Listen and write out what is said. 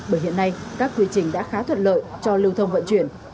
bởi hiện nay các quy trình đã khá thuận lợi cho lưu thông vận chuyển